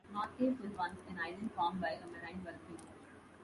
North Cape was once an island formed by a marine volcano.